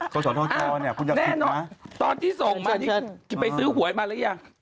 ตอนที่ส่งมานี่ไปซื้อหวยมาหรือยัง